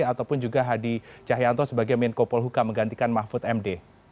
ataupun juga hadi cahyanto sebagai menko polhuka menggantikan mahfud md